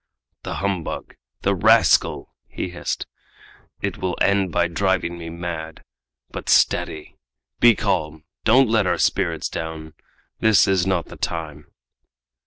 "The humbug! the rascal!" he hissed; "it will end by driving me mad! But steady! Be calm! Don't let our spirits go down! This is not the time!"